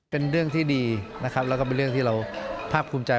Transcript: เป็นเรื่องที่ดีนะครับแล้วก็เป็นเรื่องที่เราภาพภูมิใจ